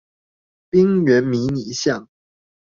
冰原迷你象